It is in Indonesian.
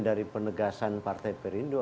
dari penegasan partai perindu